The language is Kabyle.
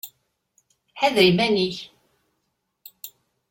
Ḥader iman-ik!